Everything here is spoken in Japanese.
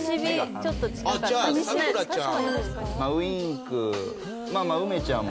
さくらちゃん。